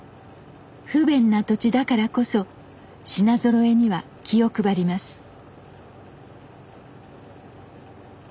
不便な土地だからこそ品ぞろえには気を配ります。